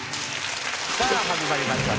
さあ始まりました